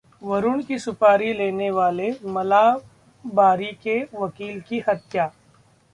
वरुण की सुपारी लेने वाले मलाबारी के वकील की हत्या